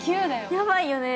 やばいよね。